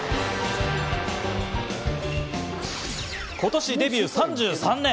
今年デビュー３３年。